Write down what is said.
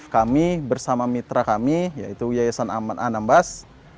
kami bersama mitra kami yaitu yayasan aman anambas